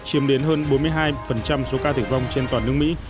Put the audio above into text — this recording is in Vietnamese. chiếm đến hơn bốn mươi hai số ca tử vong trên toàn nước mỹ